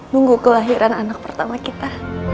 nunggu kelahiran anak pertama kita